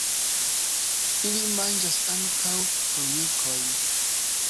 Ili manĝas ankaŭ formikojn.